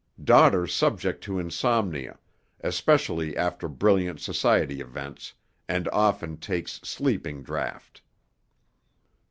Daughter subject to insomnia, especially after brilliant society events, and often takes sleeping draft.